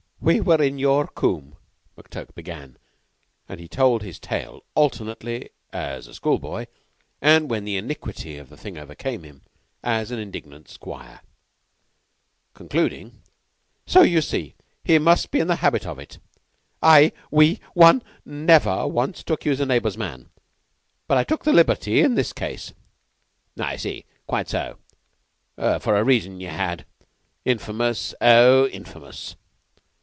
"We were in your combe," McTurk began, and he told his tale alternately as a schoolboy and, when the iniquity of the thing overcame him, as an indignant squire; concluding: "So you see he must be in the habit of it. I we one never wants to accuse a neighbor's man; but I took the liberty in this case " "I see. Quite so. For a reason ye had. Infamous oh, infamous!"